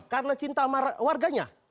karena cinta sama warganya